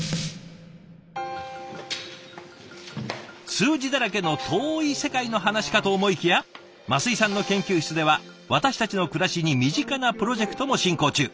数字だらけの遠い世界の話かと思いきや升井さんの研究室では私たちの暮らしに身近なプロジェクトも進行中。